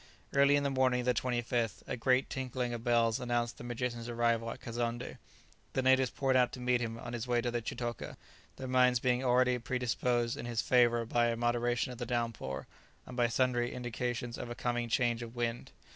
Early in the morning of the 25th a great tinkling of bells announced the magician's arrival at Kazonndé. The natives poured out to meet him on his way to the chitoka, their minds being already predisposed in his favour by a moderation of the downpour, and by sundry indications of a coming change of wind.